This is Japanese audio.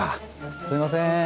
すいません